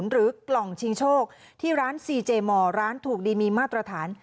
หรือกล่องชิงโชคที่ร้านซีเจมอร์ร้านถูกดีมีมาตรฐาน